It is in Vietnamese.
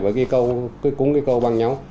cái cúng cái câu bằng nhau